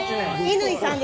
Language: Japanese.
乾さん